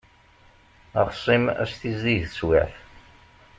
Axṣim ad s-d-tizdig teswiεt.